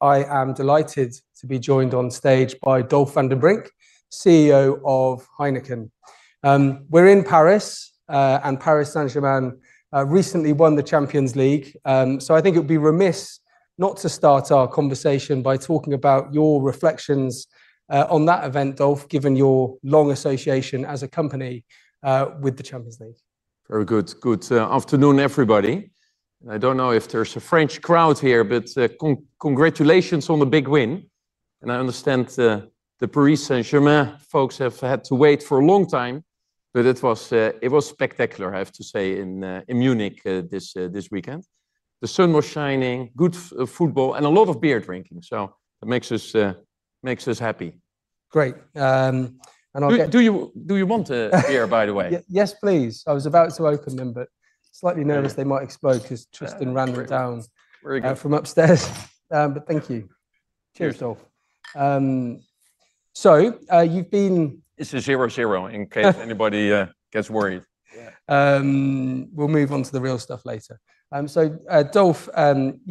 I am delighted to be joined on stage by Dolf van den Brink, CEO of Heineken. We're in Paris, and Paris Saint-Germain recently won the Champions League, so I think it would be remiss not to start our conversation by talking about your reflections on that event, Dolf, given your long association as a company with the Champions League. Very good. Good afternoon, everybody. I do not know if there is a French crowd here, but congratulations on the big win. I understand the Paris Saint-Germain folks have had to wait for a long time, but it was spectacular, I have to say, in Munich this weekend. The sun was shining, good football, and a lot of beer drinking, so that makes us happy. Great. I'll get... Do you want a beer, by the way? Yes, please. I was about to open them, but slightly nervous they might explode because Tristan ran them down from upstairs. Thank you. Cheers, Dolf. You have been... It's a 0-0 in case anybody gets worried. We'll move on to the real stuff later. So, Dolf,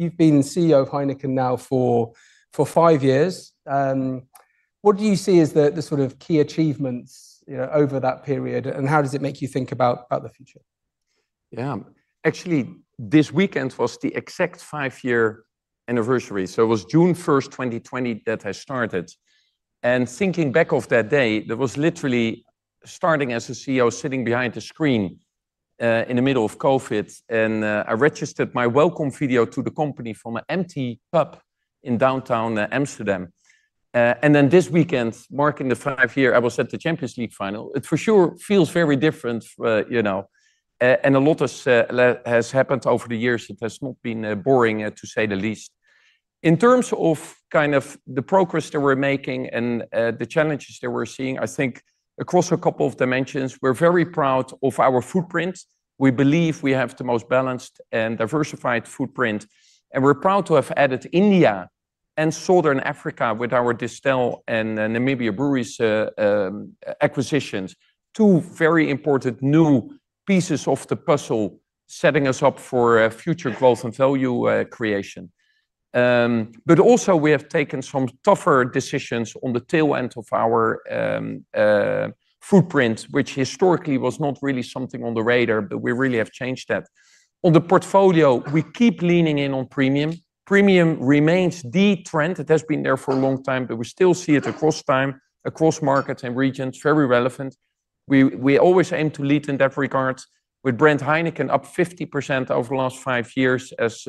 you've been CEO of Heineken now for five years. What do you see as the sort of key achievements over that period, and how does it make you think about the future? Yeah, actually, this weekend was the exact five-year anniversary. It was June 1, 2020, that I started. Thinking back of that day, that was literally starting as a CEO, sitting behind a screen in the middle of COVID, and I registered my welcome video to the company from an empty pub in downtown Amsterdam. This weekend, marking the five-year, I was at the Champions League final. It for sure feels very different, you know, and a lot has happened over the years. It has not been boring, to say the least. In terms of kind of the progress that we're making and the challenges that we're seeing, I think across a couple of dimensions, we're very proud of our footprint. We believe we have the most balanced and diversified footprint, and we're proud to have added India and Southern Africa with our Distell and Namibia Breweries acquisitions, two very important new pieces of the puzzle setting us up for future growth and value creation. We have also taken some tougher decisions on the tail end of our footprint, which historically was not really something on the radar, but we really have changed that. On the portfolio, we keep leaning in on premium. Premium remains the trend. It has been there for a long time, but we still see it across time, across markets and regions, very relevant. We always aim to lead in that regard with brand Heineken, up 50% over the last five years as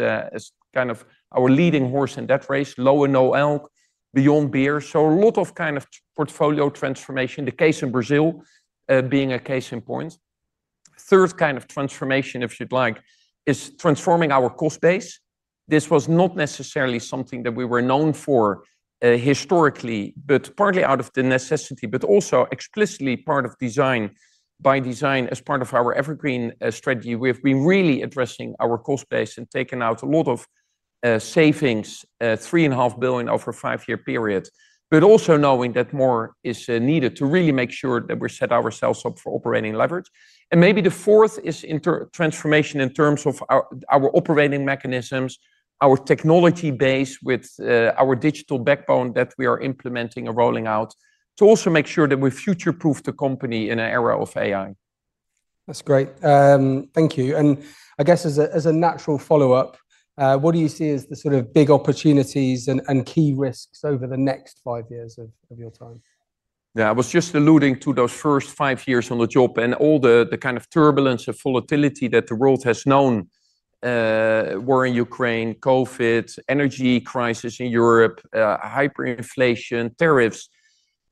kind of our leading horse in that race, low and no alk, beyond beer. A lot of kind of portfolio transformation, the case in Brazil being a case in point. Third kind of transformation, if you'd like, is transforming our cost base. This was not necessarily something that we were known for historically, but partly out of necessity, but also explicitly by design as part of our Evergreen Strategy. We have been really addressing our cost base and taken out a lot of savings, 3.5 billion over a five-year period, but also knowing that more is needed to really make sure that we set ourselves up for operating leverage. Maybe the fourth is transformation in terms of our operating mechanisms, our technology base with our digital backbone that we are implementing and rolling out to also make sure that we future-proof the company in an era of AI. That's great. Thank you. I guess as a natural follow-up, what do you see as the sort of big opportunities and key risks over the next five years of your time? Yeah, I was just alluding to those first five years on the job and all the kind of turbulence of volatility that the world has known: war in Ukraine, COVID, energy crisis in Europe, hyperinflation, tariffs.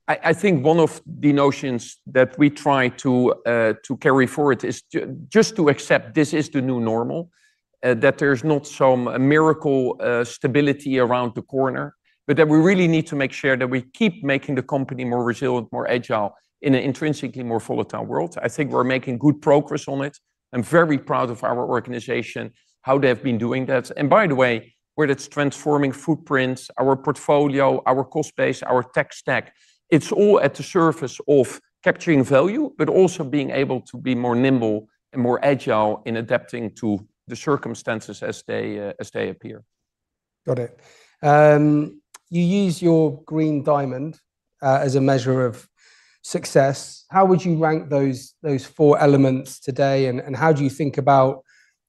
I think one of the notions that we try to carry forward is just to accept this is the new normal, that there's not some miracle stability around the corner, but that we really need to make sure that we keep making the company more resilient, more agile in an intrinsically more volatile world. I think we're making good progress on it. I'm very proud of our organization, how they have been doing that. Whether it's transforming footprints, our portfolio, our cost base, our tech stack, it's all at the service of capturing value, but also being able to be more nimble and more agile in adapting to the circumstances as they appear. Got it. You use your green diamond as a measure of success. How would you rank those four elements today, and how do you think about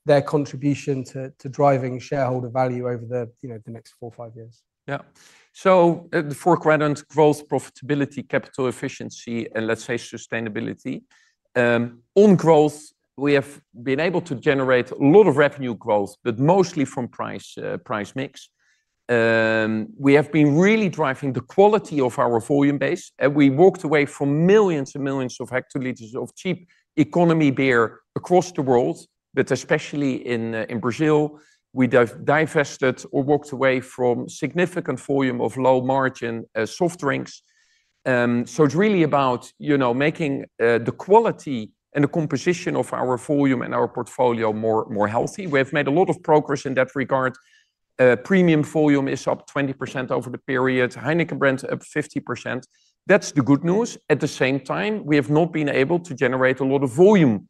their contribution to driving shareholder value over the next four or five years? Yeah. The four quadrants: growth, profitability, capital efficiency, and let's say sustainability. On growth, we have been able to generate a lot of revenue growth, but mostly from price mix. We have been really driving the quality of our volume base, and we walked away from millions and millions of hectoliters of cheap economy beer across the world, but especially in Brazil, we divested or walked away from significant volume of low-margin soft drinks. It is really about making the quality and the composition of our volume and our portfolio more healthy. We have made a lot of progress in that regard. Premium volume is up 20% over the period. Heineken brands up 50%. That is the good news. At the same time, we have not been able to generate a lot of volume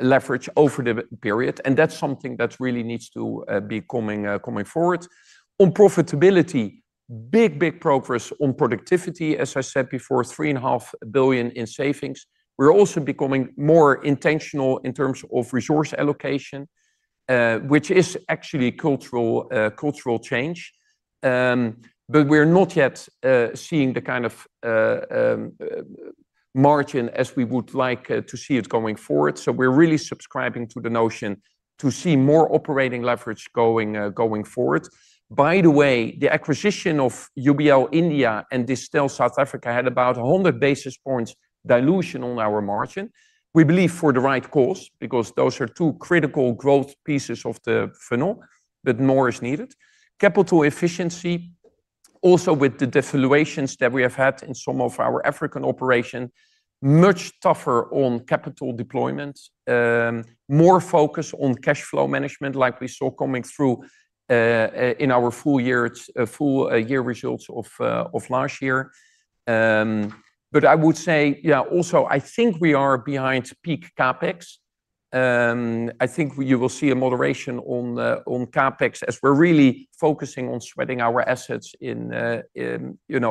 leverage over the period, and that is something that really needs to be coming forward. On profitability, big, big progress on productivity, as I said before, 3.5 billion in savings. We're also becoming more intentional in terms of resource allocation, which is actually cultural change, but we're not yet seeing the kind of margin as we would like to see it going forward. We're really subscribing to the notion to see more operating leverage going forward. By the way, the acquisition of United Breweries Limited India and Distell South Africa had about 100 basis points dilution on our margin. We believe for the right cause, because those are two critical growth pieces of the funnel, but more is needed. Capital efficiency, also with the devaluations that we have had in some of our African operation, much tougher on capital deployment, more focus on cash flow management, like we saw coming through in our full year results of last year. I would say, yeah, also I think we are behind peak CapEx. I think you will see a moderation on CapEx as we're really focusing on spreading our assets in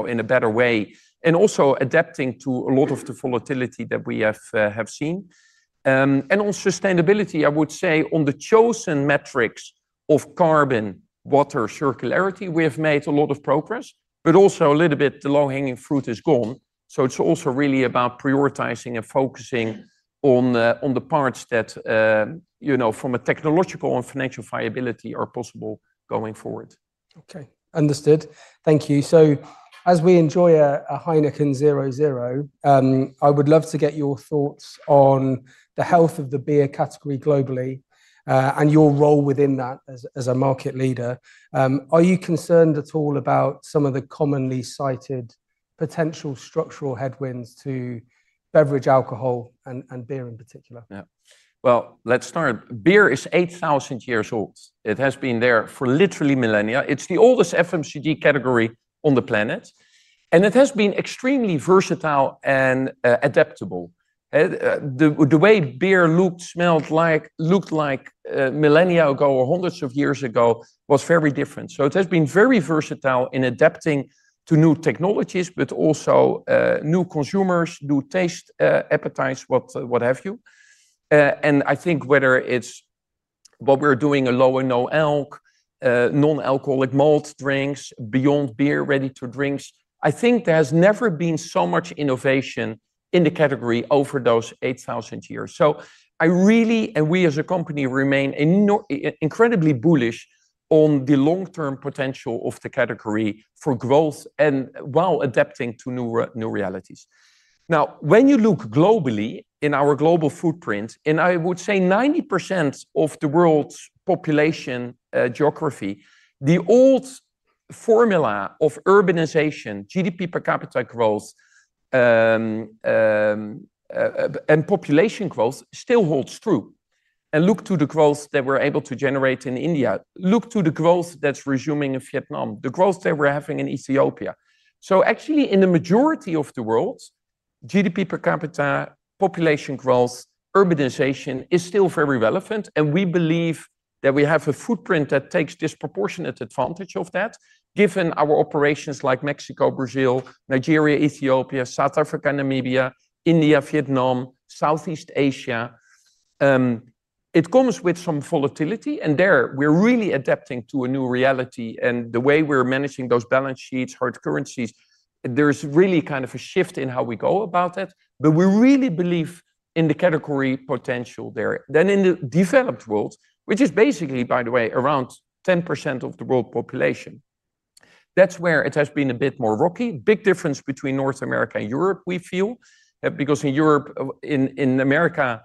a better way and also adapting to a lot of the volatility that we have seen. On sustainability, I would say on the chosen metrics of carbon, water, circularity, we have made a lot of progress, but also a little bit the low-hanging fruit is gone. It is also really about prioritizing and focusing on the parts that from a technological and financial viability are possible going forward. Okay, understood. Thank you. As we enjoy a Heineken 0.0, I would love to get your thoughts on the health of the beer category globally and your role within that as a market leader. Are you concerned at all about some of the commonly cited potential structural headwinds to beverage alcohol and beer in particular? Yeah. Let's start. Beer is 8,000 years old. It has been there for literally millennia. It's the oldest FMCG category on the planet, and it has been extremely versatile and adaptable. The way beer looked, smelled like millennia ago, hundreds of years ago, was very different. It has been very versatile in adapting to new technologies, but also new consumers, new taste appetites, what have you. I think whether it's what we're doing, a low and no alk, non-alcoholic malt drinks, beyond beer, ready to drinks, I think there has never been so much innovation in the category over those 8,000 years. I really, and we as a company, remain incredibly bullish on the long-term potential of the category for growth and while adapting to new realities. Now, when you look globally in our global footprint, I would say 90% of the world's population geography, the old formula of urbanization, GDP per capita growth, and population growth still holds true. Look to the growth that we're able to generate in India. Look to the growth that's resuming in Vietnam, the growth that we're having in Ethiopia. Actually, in the majority of the world, GDP per capita, population growth, urbanization is still very relevant, and we believe that we have a footprint that takes disproportionate advantage of that, given our operations like Mexico, Brazil, Nigeria, Ethiopia, South Africa, Namibia, India, Vietnam, Southeast Asia. It comes with some volatility, and there we're really adapting to a new reality. The way we're managing those balance sheets, hard currencies, there's really kind of a shift in how we go about it, but we really believe in the category potential there. In the developed world, which is basically, by the way, around 10% of the world population, that's where it has been a bit more rocky. Big difference between North America and Europe, we feel, because in Europe, in America,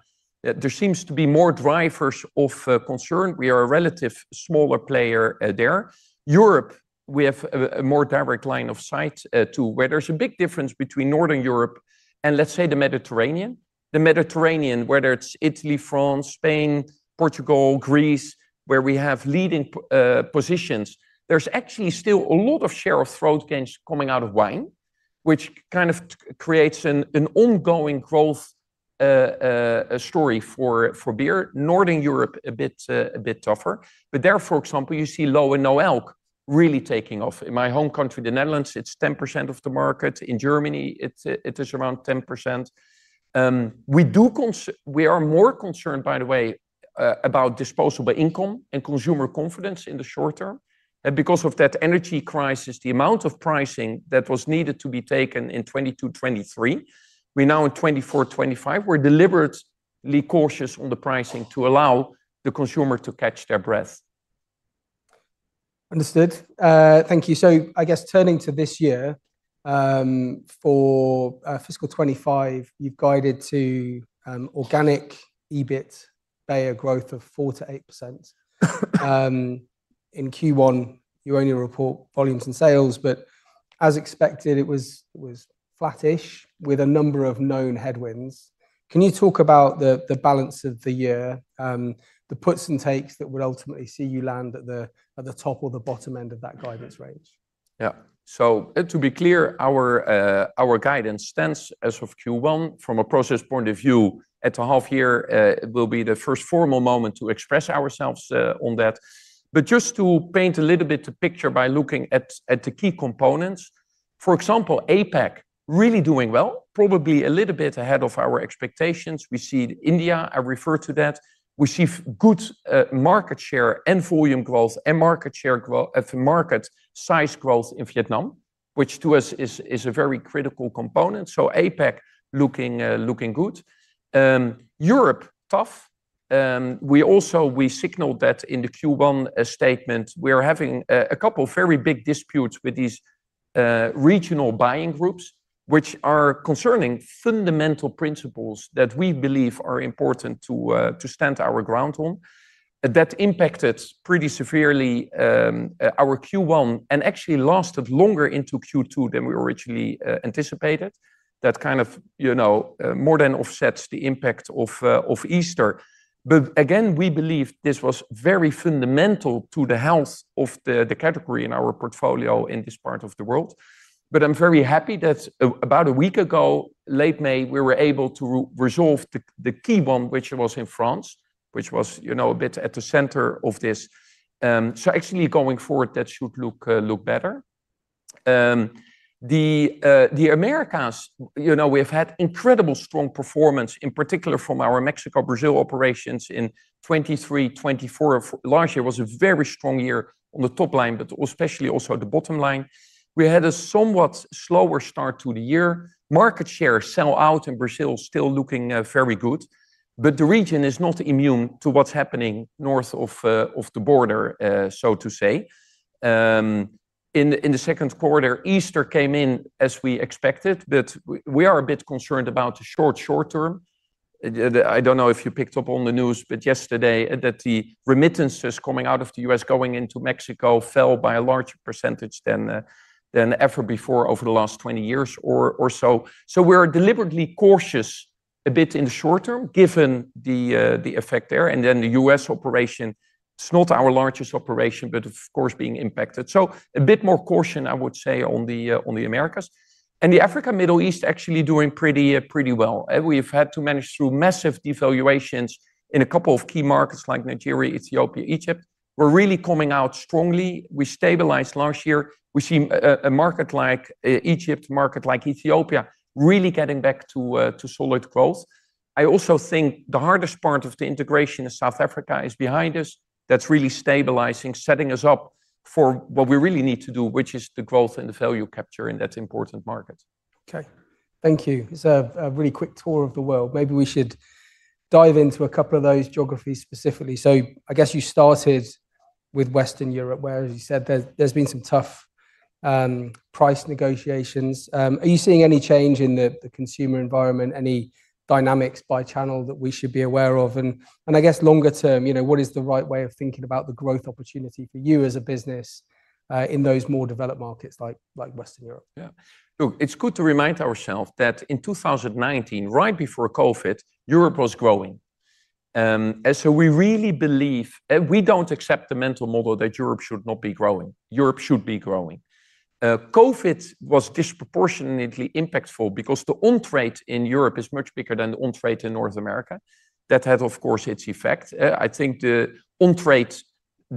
there seems to be more drivers of concern. We are a relative smaller player there. Europe, we have a more direct line of sight to where there's a big difference between Northern Europe and let's say the Mediterranean. The Mediterranean, whether it's Italy, France, Spain, Portugal, Greece, where we have leading positions, there's actually still a lot of share of throat gains coming out of wine, which kind of creates an ongoing growth story for beer. Northern Europe, a bit tougher, but there, for example, you see low and no alk really taking off. In my home country, the Netherlands, it's 10% of the market. In Germany, it is around 10%. We are more concerned, by the way, about disposable income and consumer confidence in the short term. Because of that energy crisis, the amount of pricing that was needed to be taken in 2022, 2023, we're now in 2024, 2025, we're deliberately cautious on the pricing to allow the consumer to catch their breath. Understood. Thank you. I guess turning to this year for fiscal 2025, you've guided to organic EBIT growth of 4-8%. In Q1, you only report volumes and sales, but as expected, it was flattish with a number of known headwinds. Can you talk about the balance of the year, the puts and takes that would ultimately see you land at the top or the bottom end of that guidance range? Yeah. To be clear, our guidance stands as of Q1. From a process point of view, at the half year, it will be the first formal moment to express ourselves on that. Just to paint a little bit the picture by looking at the key components, for example, APAC really doing well, probably a little bit ahead of our expectations. We see India, I refer to that. We see good market share and volume growth and market share growth at the market size growth in Vietnam, which to us is a very critical component. APAC looking good. Europe tough. We also signaled that in the Q1 statement. We are having a couple of very big disputes with these regional buying groups, which are concerning fundamental principles that we believe are important to stand our ground on. That impacted pretty severely our Q1 and actually lasted longer into Q2 than we originally anticipated. That kind of more than offsets the impact of Easter. Again, we believe this was very fundamental to the health of the category in our portfolio in this part of the world. I am very happy that about a week ago, late May, we were able to resolve the key one, which was in France, which was a bit at the center of this. Actually, going forward, that should look better. The Americas, we have had incredible strong performance, in particular from our Mexico, Brazil operations in 2023, 2024. Last year was a very strong year on the top line, but especially also the bottom line. We had a somewhat slower start to the year. Market share sell out in Brazil still looking very good, but the region is not immune to what's happening north of the border, so to say. In the second quarter, Easter came in as we expected, but we are a bit concerned about the short term. I don't know if you picked up on the news, but yesterday the remittances coming out of the U.S. going into Mexico fell by a larger percentage than ever before over the last 20 years or so. We are deliberately cautious a bit in the short term given the effect there. The U.S. operation, it's not our largest operation, but of course being impacted. A bit more caution, I would say, on the Americas. The Africa Middle East actually doing pretty well. We've had to manage through massive devaluations in a couple of key markets like Nigeria, Ethiopia, Egypt. We're really coming out strongly. We stabilized last year. We see a market like Egypt, market like Ethiopia really getting back to solid growth. I also think the hardest part of the integration in South Africa is behind us. That's really stabilizing, setting us up for what we really need to do, which is the growth and the value capture in that important market. Okay. Thank you. It's a really quick tour of the world. Maybe we should dive into a couple of those geographies specifically. I guess you started with Western Europe, where you said there's been some tough price negotiations. Are you seeing any change in the consumer environment, any dynamics by channel that we should be aware of? I guess longer term, what is the right way of thinking about the growth opportunity for you as a business in those more developed markets like Western Europe? Yeah. Look, it's good to remind ourselves that in 2019, right before COVID, Europe was growing. And so we really believe, and we don't accept the mental model that Europe should not be growing. Europe should be growing. COVID was disproportionately impactful because the on trade in Europe is much bigger than the on trade in North America. That had, of course, its effect. I think the on trade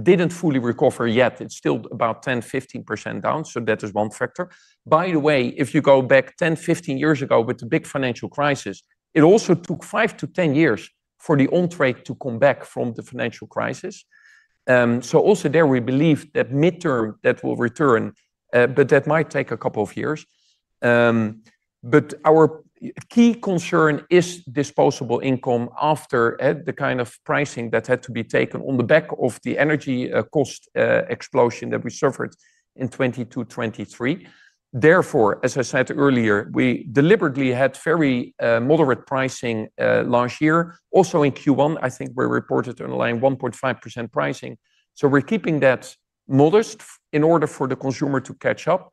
didn't fully recover yet. It's still about 10-15% down. That is one factor. By the way, if you go back 10-15 years ago with the big financial crisis, it also took 5 to 10 years for the on trade to come back from the financial crisis. Also there we believe that midterm that will return, but that might take a couple of years. Our key concern is disposable income after the kind of pricing that had to be taken on the back of the energy cost explosion that we suffered in 2022, 2023. Therefore, as I said earlier, we deliberately had very moderate pricing last year. Also in Q1, I think we reported online 1.5% pricing. We are keeping that modest in order for the consumer to catch up.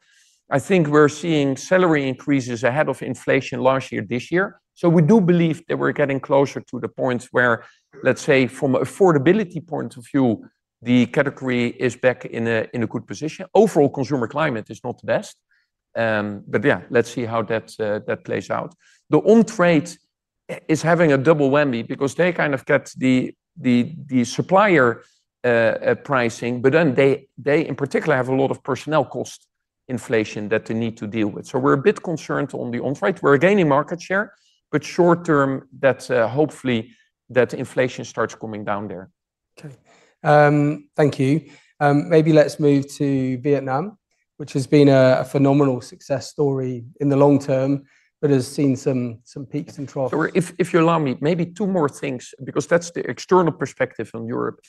I think we are seeing salary increases ahead of inflation last year, this year. We do believe that we are getting closer to the point where, let's say, from an affordability point of view, the category is back in a good position. Overall consumer climate is not the best, but yeah, let's see how that plays out. The on-trade is having a double whammy because they kind of get the supplier pricing, but then they in particular have a lot of personnel cost inflation that they need to deal with. We are a bit concerned on the on-trade. We are gaining market share, but short term, hopefully that inflation starts coming down there. Okay. Thank you. Maybe let's move to Vietnam, which has been a phenomenal success story in the long term, but has seen some peaks and troughs. If you allow me, maybe two more things, because that's the external perspective on Europe.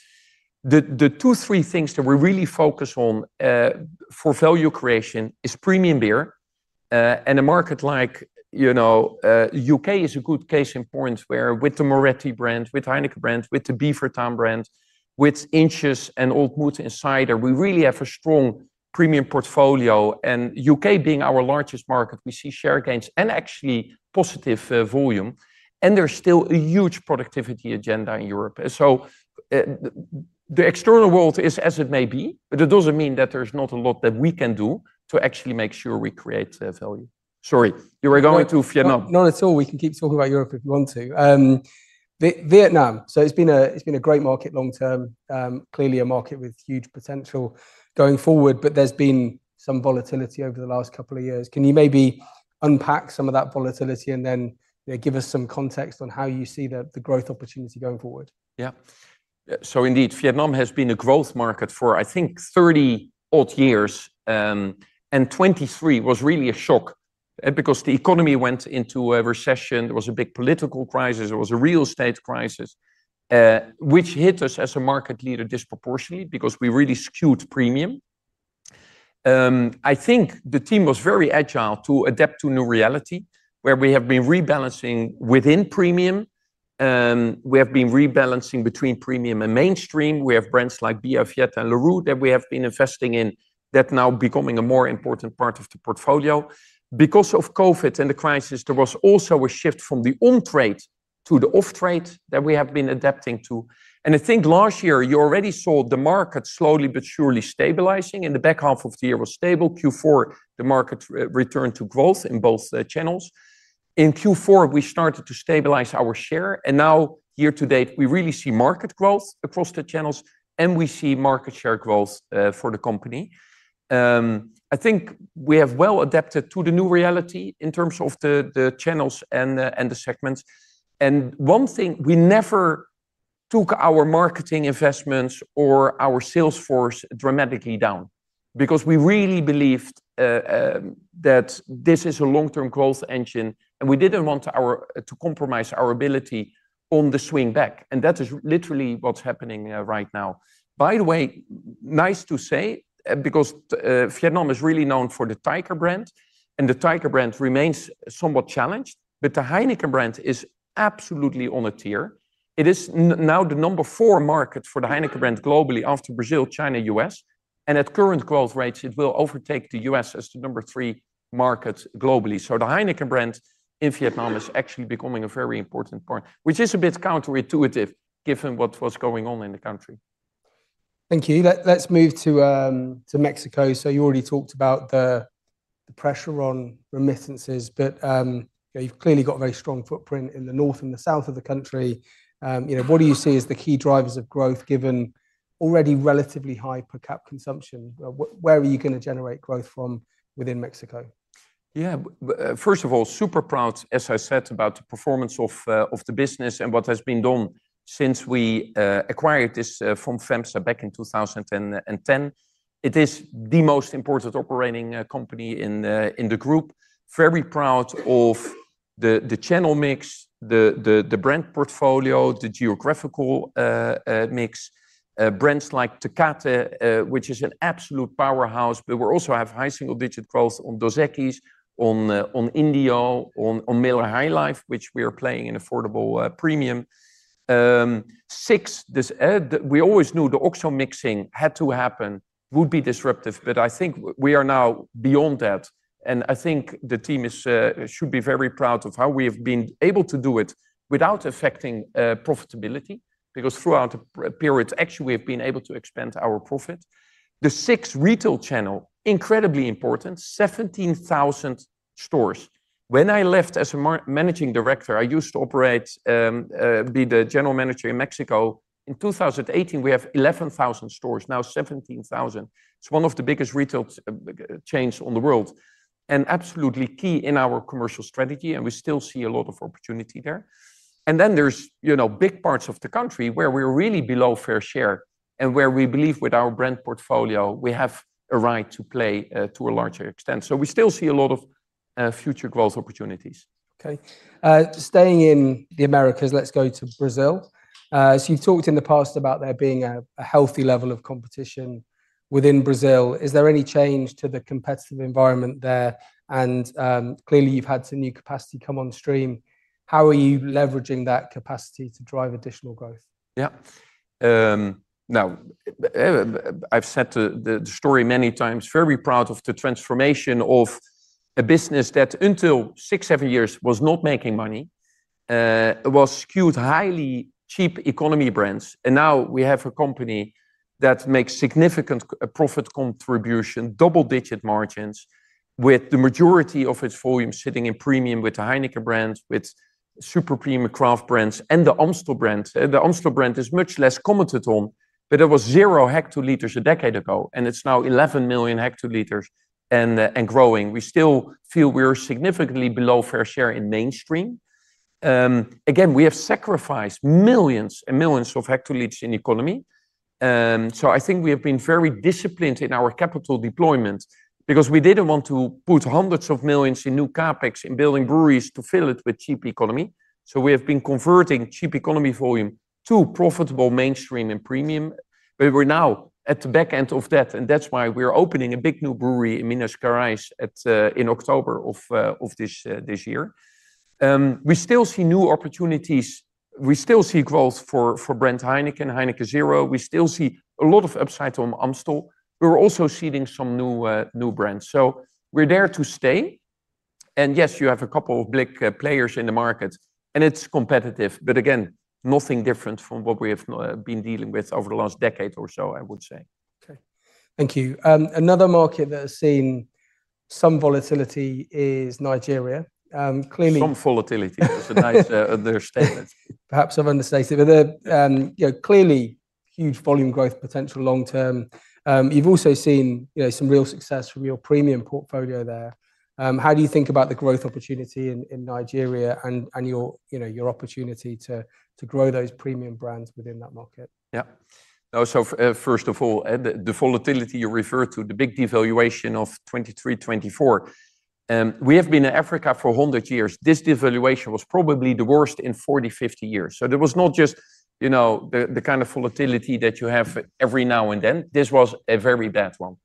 The two, three things that we really focus on for value creation is premium beer. A market like the U.K. is a good case in point where with the Birra Moretti brand, with Heineken brand, with the Beavertown brand, with Inch's and Old Mout Cider, we really have a strong premium portfolio. U.K. being our largest market, we see share gains and actually positive volume. There's still a huge productivity agenda in Europe. The external world is as it may be, but it doesn't mean that there's not a lot that we can do to actually make sure we create value. Sorry, you were going to Vietnam. No, that's all. We can keep talking about Europe if you want to. Vietnam, so it's been a great market long term, clearly a market with huge potential going forward, but there's been some volatility over the last couple of years. Can you maybe unpack some of that volatility and then give us some context on how you see the growth opportunity going forward? Yeah. So indeed, Vietnam has been a growth market for, I think, 30-odd years. And 2023 was really a shock because the economy went into a recession. There was a big political crisis. There was a real estate crisis, which hit us as a market leader disproportionately because we really skewed premium. I think the team was very agile to adapt to new reality where we have been rebalancing within premium. We have been rebalancing between premium and mainstream. We have brands like Bia Viet and LaRue that we have been investing in that are now becoming a more important part of the portfolio. Because of COVID and the crisis, there was also a shift from the on-trade to the off-trade that we have been adapting to. I think last year you already saw the market slowly but surely stabilizing. In the back half of the year it was stable. Q4, the market returned to growth in both channels. In Q4, we started to stabilize our share. Now year to date, we really see market growth across the channels and we see market share growth for the company. I think we have well adapted to the new reality in terms of the channels and the segments. One thing, we never took our marketing investments or our sales force dramatically down because we really believed that this is a long-term growth engine and we did not want to compromise our ability on the swing back. That is literally what is happening right now. By the way, nice to say because Vietnam is really known for the Tiger brand and the Tiger brand remains somewhat challenged, but the Heineken brand is absolutely on a tier. It is now the number four market for the Heineken brand globally after Brazil, China, US. At current growth rates, it will overtake the U.S. as the number three market globally. The Heineken brand in Vietnam is actually becoming a very important part, which is a bit counterintuitive given what was going on in the country. Thank you. Let's move to Mexico. You already talked about the pressure on remittances, but you've clearly got a very strong footprint in the north and the south of the country. What do you see as the key drivers of growth given already relatively high per cap consumption? Where are you going to generate growth from within Mexico? Yeah. First of all, super proud, as I said, about the performance of the business and what has been done since we acquired this from FEMSA back in 2010. It is the most important operating company in the group. Very proud of the channel mix, the brand portfolio, the geographical mix. Brands like Tecate, which is an absolute powerhouse, but we also have high single-digit growth on Dos Equis, on Indio, on Miller High Life, which we are playing in affordable premium. OXXO, we always knew the OXXO mixing had to happen, would be disruptive, but I think we are now beyond that. I think the team should be very proud of how we have been able to do it without affecting profitability because throughout the period, actually we have been able to expand our profit. The OXXO retail channel, incredibly important, 17,000 stores. When I left as a Managing Director, I used to operate, be the General Manager in Mexico. In 2018, we have 11,000 stores, now 17,000. It is one of the biggest retail chains in the world and absolutely key in our commercial strategy. We still see a lot of opportunity there. There are big parts of the country where we are really below fair share and where we believe with our brand portfolio, we have a right to play to a larger extent. We still see a lot of future growth opportunities. Okay. Staying in the Americas, let's go to Brazil. You have talked in the past about there being a healthy level of competition within Brazil. Is there any change to the competitive environment there? You have had some new capacity come on stream. How are you leveraging that capacity to drive additional growth? Yeah. Now, I've said the story many times, very proud of the transformation of a business that until six, seven years ago was not making money, was skewed highly cheap economy brands. Now we have a company that makes significant profit contribution, double-digit margins with the majority of its volume sitting in premium with the Heineken brand, with super premium craft brands and the Amstel brand. The Amstel brand is much less commented on, but there were zero hectoliters a decade ago and it's now 11 million hectoliters and growing. We still feel we're significantly below fair share in mainstream. Again, we have sacrificed millions and millions of hectoliters in economy. I think we have been very disciplined in our capital deployment because we didn't want to put hundreds of millions in new CapEx in building breweries to fill it with cheap economy. We have been converting cheap economy volume to profitable mainstream and premium. We are now at the back end of that. That is why we are opening a big new brewery in Minas Gerais in October of this year. We still see new opportunities. We still see growth for brand Heineken, Heineken Zero. We still see a lot of upside on Amstel. We are also seeding some new brands. We are there to stay. Yes, you have a couple of big players in the market and it is competitive, but again, nothing different from what we have been dealing with over the last decade or so, I would say. Okay. Thank you. Another market that has seen some volatility is Nigeria. Clearly. Some volatility. That's a nice understatement. Perhaps I've understated, but clearly huge volume growth potential long term. You've also seen some real success from your premium portfolio there. How do you think about the growth opportunity in Nigeria and your opportunity to grow those premium brands within that market? Yeah. First of all, the volatility you referred to, the big devaluation of 2023, 2024, we have been in Africa for 100 years. This devaluation was probably the worst in 40-50 years. There was not just the kind of volatility that you have every now and then. This was a very bad one.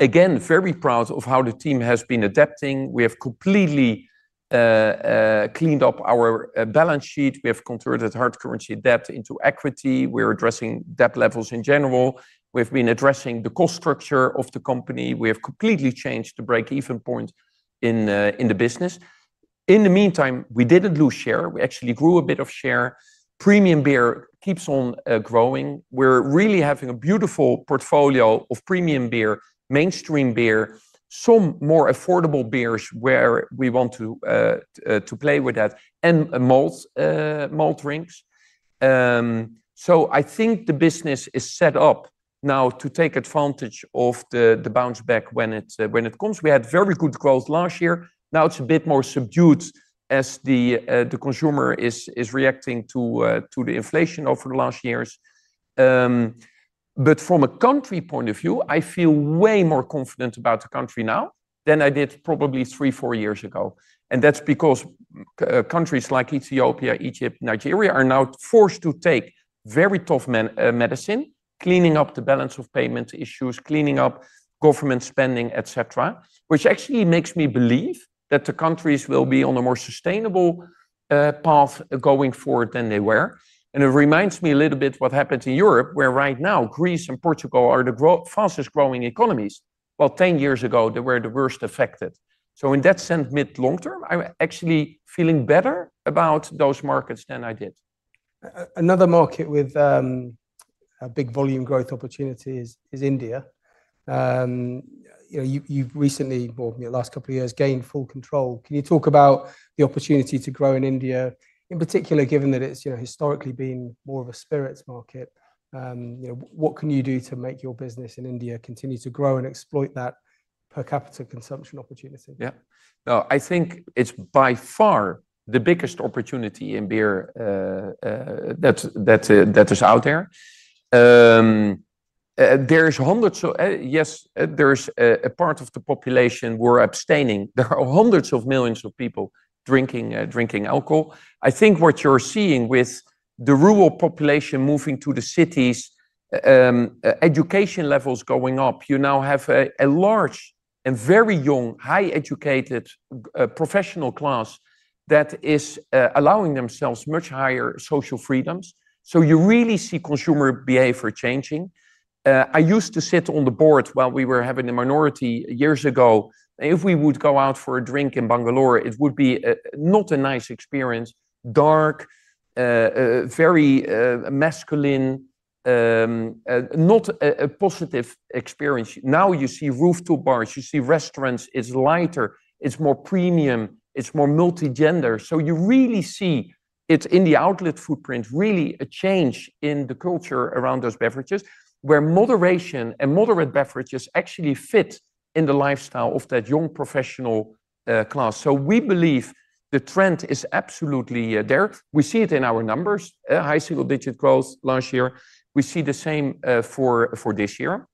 Again, very proud of how the team has been adapting. We have completely cleaned up our balance sheet. We have converted hard currency debt into equity. We're addressing debt levels in general. We've been addressing the cost structure of the company. We have completely changed the break-even point in the business. In the meantime, we didn't lose share. We actually grew a bit of share. Premium beer keeps on growing. We're really having a beautiful portfolio of premium beer, mainstream beer, some more affordable beers where we want to play with that and malt drinks. I think the business is set up now to take advantage of the bounce back when it comes. We had very good growth last year. Now it's a bit more subdued as the consumer is reacting to the inflation over the last years. From a country point of view, I feel way more confident about the country now than I did probably three, four years ago. That's because countries like Ethiopia, Egypt, Nigeria are now forced to take very tough medicine, cleaning up the balance of payment issues, cleaning up government spending, et cetera, which actually makes me believe that the countries will be on a more sustainable path going forward than they were. It reminds me a little bit what happened in Europe, where right now Greece and Portugal are the fastest growing economies, while 10 years ago they were the worst affected. In that sense, mid-long term, I'm actually feeling better about those markets than I did. Another market with a big volume growth opportunity is India. You've recently, in the last couple of years, gained full control. Can you talk about the opportunity to grow in India, in particular, given that it's historically been more of a spirits market? What can you do to make your business in India continue to grow and exploit that per capita consumption opportunity? Yeah. No, I think it's by far the biggest opportunity in beer that is out there. There's hundreds of, yes, there's a part of the population who are abstaining. There are hundreds of millions of people drinking alcohol. I think what you're seeing with the rural population moving to the cities, education levels going up, you now have a large and very young, high-educated professional class that is allowing themselves much higher social freedoms. You really see consumer behavior changing. I used to sit on the board while we were having a minority years ago. If we would go out for a drink in Bangalore, it would be not a nice experience, dark, very masculine, not a positive experience. Now you see rooftop bars, you see restaurants, it's lighter, it's more premium, it's more multi-gender. You really see it in the outlet footprint, really a change in the culture around those beverages where moderation and moderate beverages actually fit in the lifestyle of that young professional class. We believe the trend is absolutely there. We see it in our numbers, high single-digit growth last year. We see the same for this year.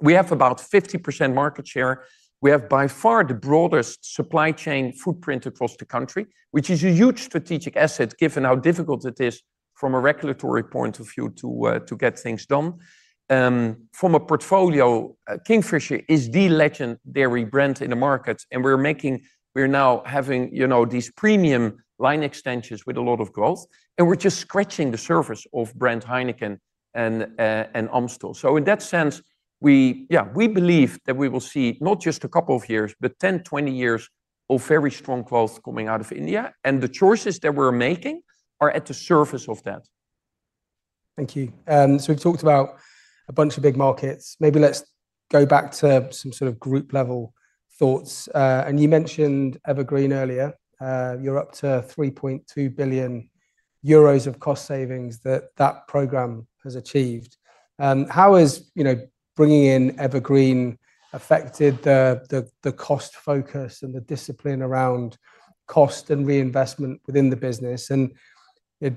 We have about 50% market share. We have by far the broadest supply chain footprint across the country, which is a huge strategic asset given how difficult it is from a regulatory point of view to get things done. From a portfolio, Kingfisher is the legendary brand in the market. We're now having these premium line extensions with a lot of growth. We're just scratching the surface of brand Heineken and Amstel. In that sense, yeah, we believe that we will see not just a couple of years, but 10-20 years of very strong growth coming out of India. The choices that we're making are at the surface of that. Thank you. We've talked about a bunch of big markets. Maybe let's go back to some sort of group level thoughts. You mentioned Evergreen earlier. You're up to 3.2 billion euros of cost savings that that program has achieved. How has bringing in Evergreen affected the cost focus and the discipline around cost and reinvestment within the business?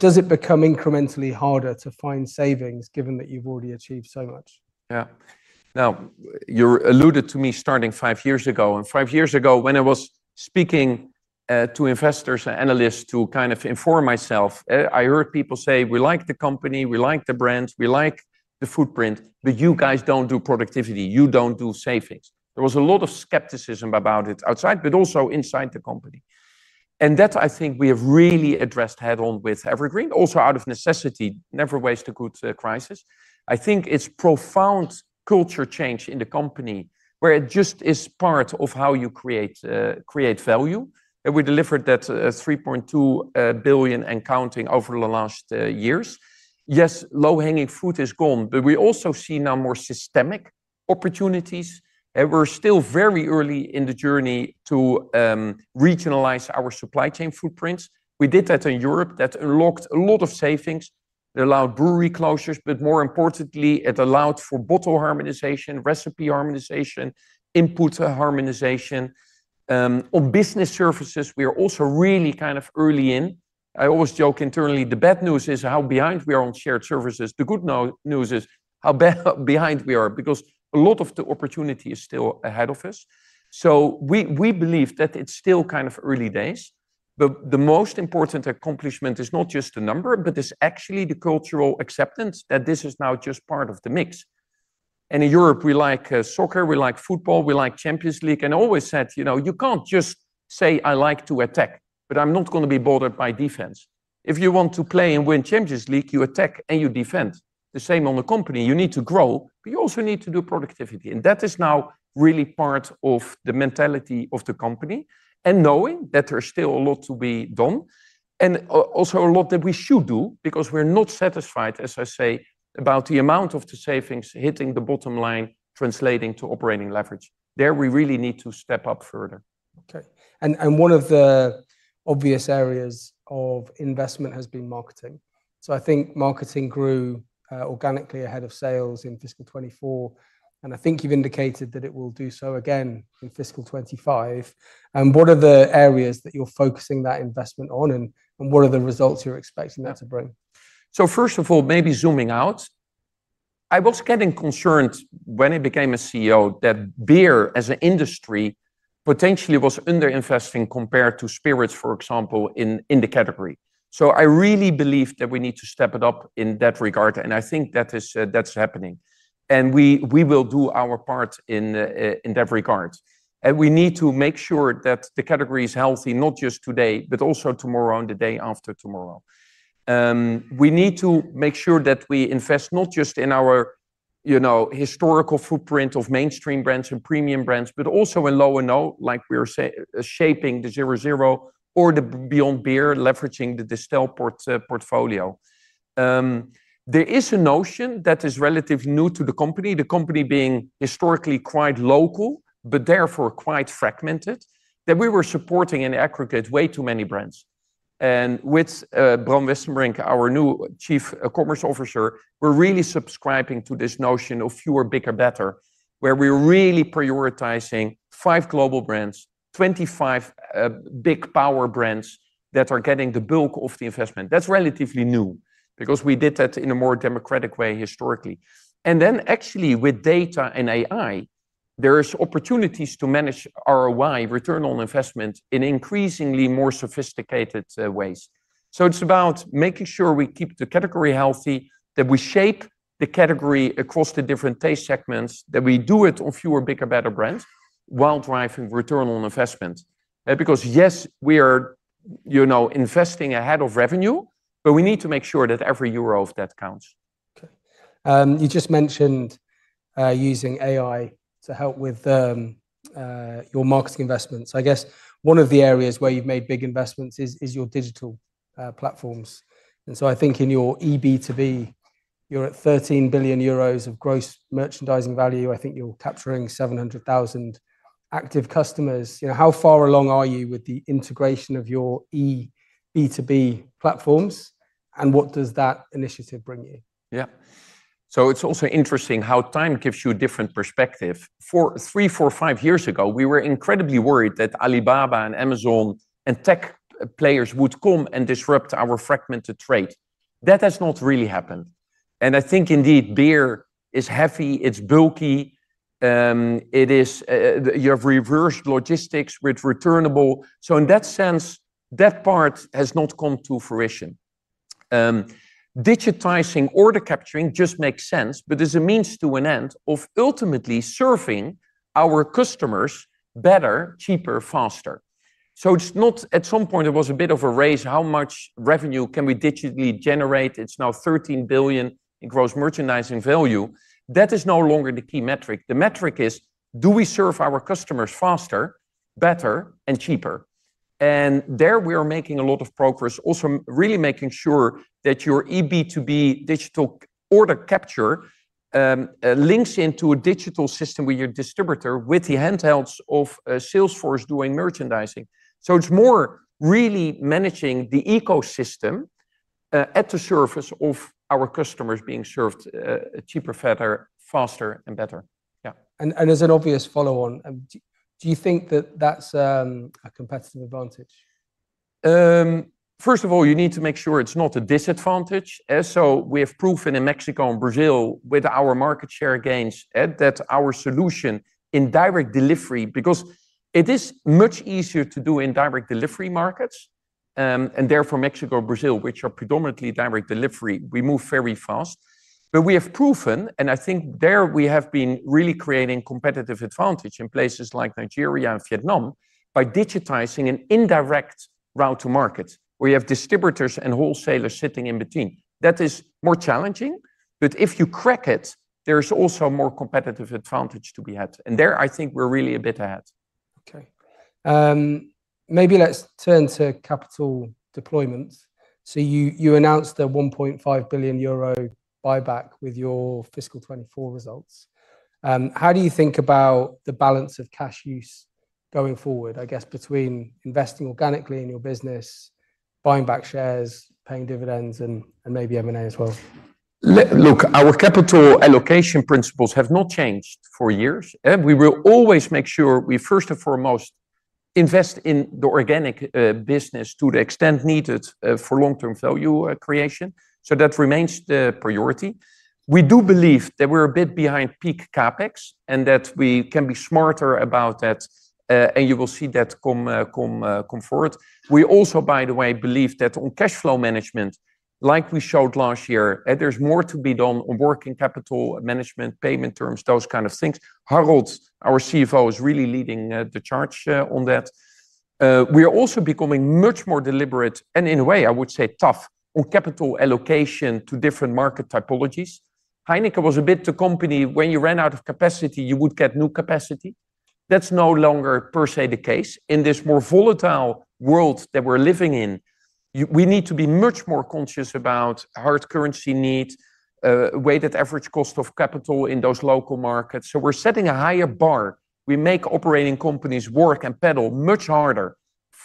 Does it become incrementally harder to find savings given that you've already achieved so much? Yeah. Now, you alluded to me starting five years ago. Five years ago, when I was speaking to investors and analysts to kind of inform myself, I heard people say, "We like the company, we like the brands, we like the footprint, but you guys do not do productivity, you do not do savings." There was a lot of skepticism about it outside, but also inside the company. That I think we have really addressed head-on with Evergreen, also out of necessity, never waste a good crisis. I think it is profound culture change in the company where it just is part of how you create value. We delivered that 3.2 billion and counting over the last years. Yes, low-hanging fruit is gone, but we also see now more systemic opportunities. We are still very early in the journey to regionalize our supply chain footprints. We did that in Europe. That unlocked a lot of savings. It allowed brewery closures, but more importantly, it allowed for bottle harmonization, recipe harmonization, input harmonization. On business services, we are also really kind of early in. I always joke internally, the bad news is how behind we are on shared services. The good news is how behind we are because a lot of the opportunity is still ahead of us. We believe that it's still kind of early days, but the most important accomplishment is not just the number, but it's actually the cultural acceptance that this is now just part of the mix. In Europe, we like soccer, we like football, we like Champions League, and always said, you can't just say, "I like to attack, but I'm not going to be bothered by defense." If you want to play and win Champions League, you attack and you defend. The same on the company. You need to grow, but you also need to do productivity. That is now really part of the mentality of the company and knowing that there is still a lot to be done and also a lot that we should do because we are not satisfied, as I say, about the amount of the savings hitting the bottom line, translating to operating leverage. There we really need to step up further. Okay. One of the obvious areas of investment has been marketing. I think marketing grew organically ahead of sales in fiscal 2024. I think you've indicated that it will do so again in fiscal 2025. What are the areas that you're focusing that investment on and what are the results you're expecting that to bring? First of all, maybe zooming out, I was getting concerned when I became CEO that beer as an industry potentially was underinvesting compared to spirits, for example, in the category. I really believe that we need to step it up in that regard. I think that's happening. We will do our part in that regard. We need to make sure that the category is healthy, not just today, but also tomorrow and the day after tomorrow. We need to make sure that we invest not just in our historical footprint of mainstream brands and premium brands, but also in low and no, like we were shaping the Zero Zero or the Beyond Beer, leveraging the Distell portfolio. There is a notion that is relatively new to the company, the company being historically quite local, but therefore quite fragmented, that we were supporting in aggregate way too many brands. With Bram Westenbrink, our new Chief Commerce Officer, we are really subscribing to this notion of fewer, bigger, better, where we are really prioritizing five global brands, 25 big power brands that are getting the bulk of the investment. That is relatively new because we did that in a more democratic way historically. Actually, with data and AI, there are opportunities to manage ROI, return on investment, in increasingly more sophisticated ways. It is about making sure we keep the category healthy, that we shape the category across the different taste segments, that we do it on fewer, bigger, better brands while driving return on investment. Because yes, we are investing ahead of revenue, but we need to make sure that every euro of that counts. Okay. You just mentioned using AI to help with your marketing investments. I guess one of the areas where you've made big investments is your digital platforms. I think in your eB2B, you're at 13 billion euros of gross merchandising value. I think you're capturing 700,000 active customers. How far along are you with the integration of your eB2B platforms and what does that initiative bring you? Yeah. It is also interesting how time gives you a different perspective. Three, four, five years ago, we were incredibly worried that Alibaba and Amazon and tech players would come and disrupt our fragmented trade. That has not really happened. I think indeed beer is heavy, it is bulky. You have reversed logistics with returnable. In that sense, that part has not come to fruition. Digitizing order capturing just makes sense, but there is a means to an end of ultimately serving our customers better, cheaper, faster. At some point, there was a bit of a race, how much revenue can we digitally generate? It is now 13 billion in gross merchandising value. That is no longer the key metric. The metric is, do we serve our customers faster, better, and cheaper? There we are making a lot of progress, also really making sure that your eB2B digital order capture links into a digital system with your distributor with the handhelds of Salesforce doing merchandising. It is more really managing the ecosystem at the service of our customers being served cheaper, fatter, faster, and better. Yeah. Do you think that that's a competitive advantage? First of all, you need to make sure it's not a disadvantage. We have proven in Mexico and Brazil with our market share gains that our solution in direct delivery, because it is much easier to do in direct delivery markets, and therefore Mexico and Brazil, which are predominantly direct delivery, we move very fast. We have proven, and I think there we have been really creating competitive advantage in places like Nigeria and Vietnam by digitizing an indirect route to market where you have distributors and wholesalers sitting in between. That is more challenging, but if you crack it, there's also more competitive advantage to be had. I think we're really a bit ahead. Okay. Maybe let's turn to capital deployments. You announced a 1.5 billion euro buyback with your fiscal 2024 results. How do you think about the balance of cash use going forward, I guess, between investing organically in your business, buying back shares, paying dividends, and maybe M&A as well? Look, our capital allocation principles have not changed for years. We will always make sure we first and foremost invest in the organic business to the extent needed for long-term value creation. That remains the priority. We do believe that we're a bit behind peak CapEx and that we can be smarter about that. You will see that come forward. We also, by the way, believe that on cash flow management, like we showed last year, there's more to be done on working capital management, payment terms, those kinds of things. Harold, our CFO, is really leading the charge on that. We are also becoming much more deliberate and in a way, I would say tough on capital allocation to different market typologies. Heineken was a bit the company when you ran out of capacity, you would get new capacity. That's no longer per se the case. In this more volatile world that we're living in, we need to be much more conscious about hard currency need, weighted average cost of capital in those local markets. We are setting a higher bar. We make operating companies work and pedal much harder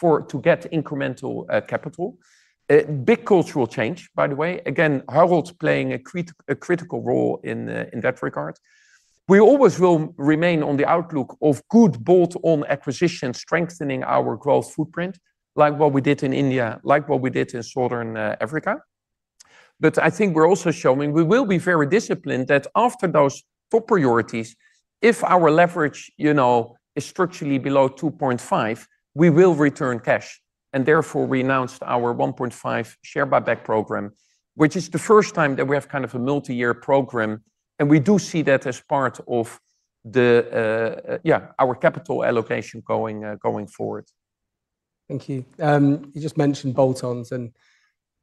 to get incremental capital. Big cultural change, by the way. Again, Harold's playing a critical role in that regard. We always will remain on the outlook of good bolt-on acquisitions, strengthening our growth footprint, like what we did in India, like what we did in Southern Africa. I think we're also showing we will be very disciplined that after those top priorities, if our leverage is structurally below 2.5, we will return cash. Therefore, we announced our 1.5 billion share buyback program, which is the first time that we have kind of a multi-year program. We do see that as part of, yeah, our capital allocation going forward. Thank you. You just mentioned bolt-ons, and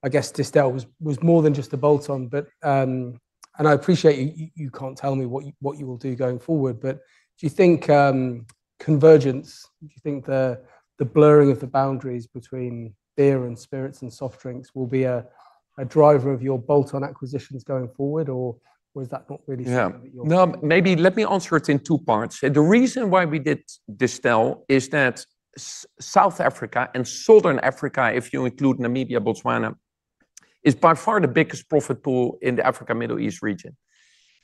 I guess Distell was more than just a bolt-on, but I appreciate you can't tell me what you will do going forward. Do you think convergence, do you think the blurring of the boundaries between beer and spirits and soft drinks will be a driver of your bolt-on acquisitions going forward, or is that not really something that you're? No, maybe let me answer it in two parts. The reason why we did Distell is that South Africa and Southern Africa, if you include Namibia, Botswana, is by far the biggest profit pool in the Africa-Middle East region.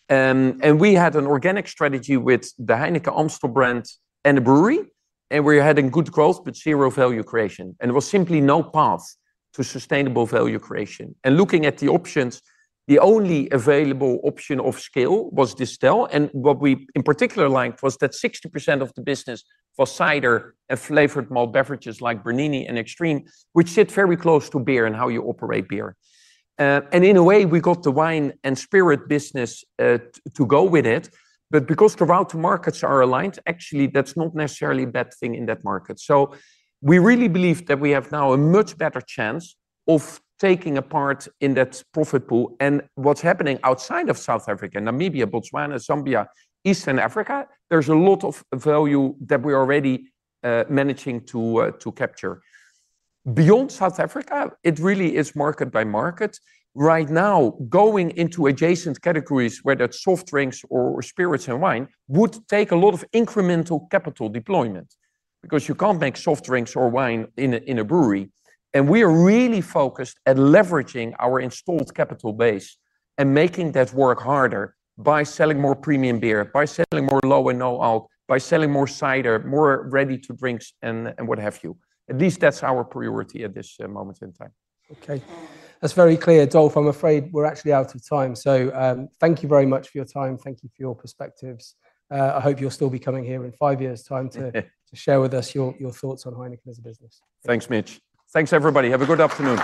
We had an organic strategy with the Heineken and Amstel brand and the brewery, and we were having good growth, but zero value creation. There was simply no path to sustainable value creation. Looking at the options, the only available option of scale was Distell. What we in particular liked was that 60% of the business was cider and flavored malt beverages like Bernini and Extreme, which sit very close to beer and how you operate beer. In a way, we got the wine and spirit business to go with it. Because the route to markets are aligned, actually, that's not necessarily a bad thing in that market. We really believe that we have now a much better chance of taking a part in that profit pool. What's happening outside of South Africa, Namibia, Botswana, Zambia, Eastern Africa, there's a lot of value that we're already managing to capture. Beyond South Africa, it really is market by market. Right now, going into adjacent categories where that soft drinks or spirits and wine would take a lot of incremental capital deployment because you can't make soft drinks or wine in a brewery. We are really focused at leveraging our installed capital base and making that work harder by selling more premium beer, by selling more low and no alcohol, by selling more cider, more ready-to-drinks, and what have you. At least that's our priority at this moment in time. Okay. That's very clear, Dolf. I'm afraid we're actually out of time. Thank you very much for your time. Thank you for your perspectives. I hope you'll still be coming here in five years' time to share with us your thoughts on Heineken as a business. Thanks, Mitch. Thanks, everybody. Have a good afternoon.